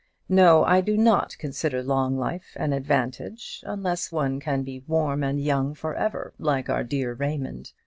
No, I do not consider long life an advantage, unless one can be 'warm and young' for ever, like our dear Raymond.